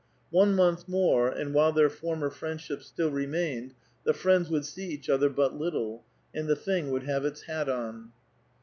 One month more, and while their former friendship still remained, the friends would see each other but little, and the thing would have its hat on.